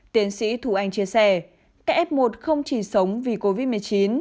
tiến sĩ thù anh chia sẻ các f một không chỉ sống vì covid một mươi chín